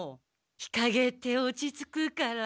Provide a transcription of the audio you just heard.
日かげって落ち着くから。